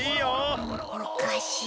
おかしい。